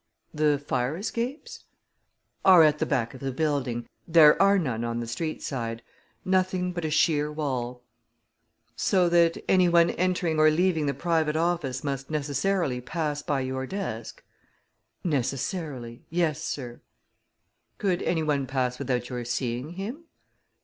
"The fire escapes " "Are at the back of the building there are none on the street side nothing but a sheer wall." "So that anyone entering or leaving the private office must necessarily pass by your desk?" "Necessarily; yes, sir." "Could anyone pass without your seeing him?"